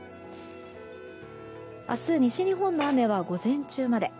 明日、西日本の雨は午前中まで。